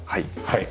はい。